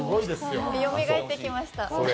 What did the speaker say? よみがえってきました。